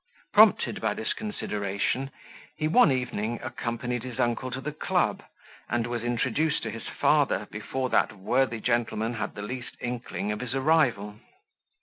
Prompted by this consideration, he one evening accompanied his uncle to the club, and was introduced to his father, before that worthy gentleman had the least inkling of his arrival.